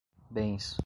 bens